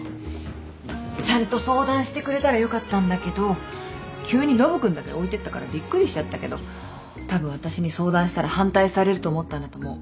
ちゃんと相談してくれたらよかったんだけど急にノブ君だけ置いてったからびっくりしちゃったけどたぶん私に相談したら反対されると思ったんだと思う。